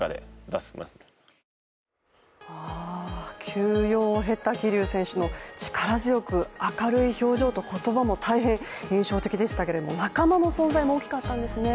休養を経た桐生選手の力強く明るい表情と、言葉も大変印象的でしたが仲間の存在も大きかったんですよね。